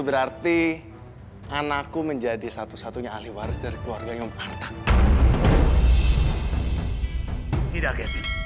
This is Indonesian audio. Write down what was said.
berarti anakku menjadi satu satunya ahli waris dari keluarganya om artang tidak